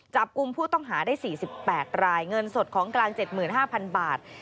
กุมผู้ต้องหาได้๔๘รายเงินสดของกลาง๗๕๐๐๐บาท